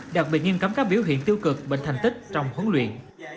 đặc biệt nghiêm cấm các biểu hiện tiêu cực bệnh thành tích trong huấn luyện